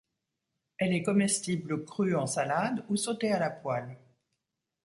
Elle est comestible crue en salade ou sautée à la poêle.